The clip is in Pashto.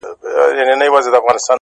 د زړه په كور كي دي بل كور جوړكړی،